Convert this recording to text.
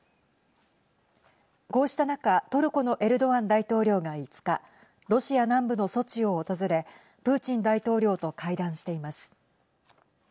こうした中トルコのエルドアン大統領が５日ロシア南部のソチを訪れプーチン大統領と会談しています。